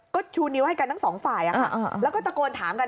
ก็ชูนิ้วให้กันทั้งสองฝ่ายแล้วก็ตะโกนถามกัน